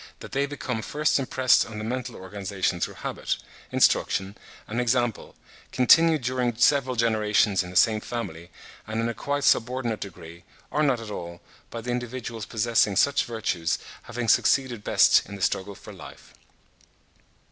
that they become first impressed on the mental organization through habit, instruction and example, continued during several generations in the same family, and in a quite subordinate degree, or not at all, by the individuals possessing such virtues having succeeded best in the struggle for life.